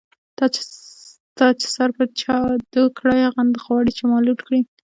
تا چی سر په چا دو کړۍ، هغه غواړی چی ما لوټ کړی